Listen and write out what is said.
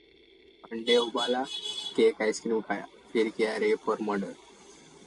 अंडे उबाला, केक-आइस्क्रीम खाया, फिर किया रेप और मर्डर